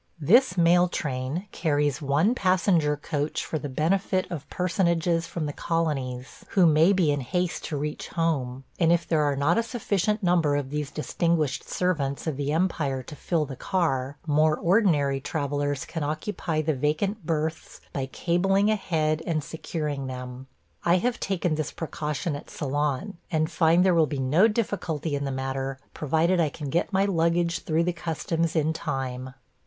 This mail train carries one passenger coach for the benefit of personages from the colonies who may be in haste to reach home; and if there are not a sufficient number of these distinguished servants of the empire to fill the car, more ordinary travellers can occupy the vacant berths by cabling ahead and securing them. I have taken this precaution at Ceylon, and find there will be no difficulty in the matter, provided I can get my luggage through the customs in time.